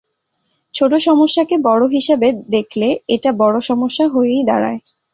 ছোট সমস্যাকে বড় সমস্যা হিসেবে দেখলে, এটা বড় সমস্যা হয়েই দাঁড়ায়।